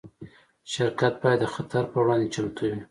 شرکت باید د خطر پر وړاندې چمتو وي.